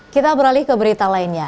kita beralih ke berita lainnya